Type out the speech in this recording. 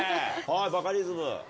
バカリズム。